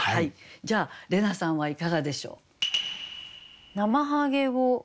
じゃあ怜奈さんはいかがでしょう？